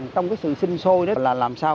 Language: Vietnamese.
trong cái sự sinh sôi đó là làm sao